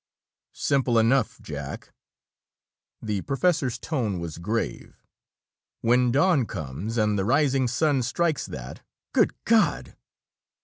"Simple enough, Jack." The professor's tone was grave. "When dawn comes, and the rising sun strikes that " "Good God!"